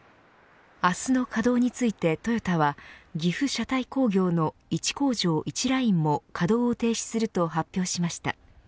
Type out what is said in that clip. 明日の稼働について、トヨタは岐阜車体工業の１工場１ラインも稼働を停止すると発表しました。